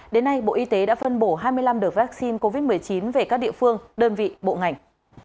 đến nay bộ y tế đã phân bổ hai mươi năm đợt vaccine covid một mươi chín về các địa phương đơn vị bộ ngành